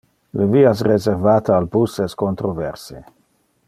Le vias reservate al bus es controverse.